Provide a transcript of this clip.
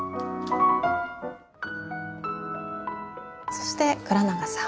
そして倉永さん。